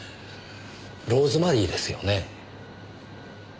ローズマリーですよね？